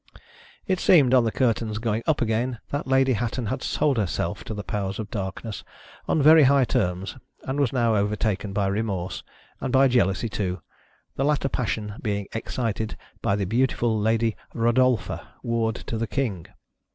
It seemed, on the curtain's going up again, that Lady Hatton had sold herself to the Powers of Darkness, on very high terms, and was now overtaken by remorse, and by jealousy too ; the latter passion being excited by the beau tiful Lady Eodolpha, ward to the King.